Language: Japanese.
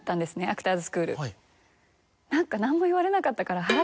何か何も言われなかったから。